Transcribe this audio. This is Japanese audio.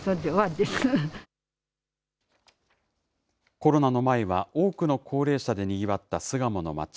コロナの前は多くの高齢者でにぎわった巣鴨の街。